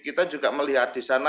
kita juga melihat di sana